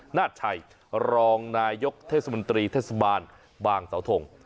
นาชัยรองนายกเทศมนตรีเทศบาลบางสาวทง